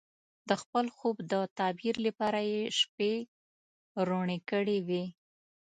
د خپل خوب د تعبیر لپاره یې شپې روڼې کړې وې.